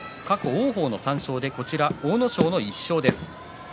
王鵬の３勝阿武咲の１勝です。